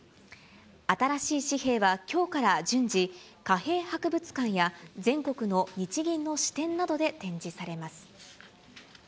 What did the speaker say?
新しい紙幣はきょうから順次、貨幣博物館や、全国の日銀の支店などで展示されます。